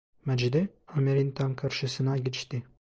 Macide, Ömer’in tam karşısına geçti.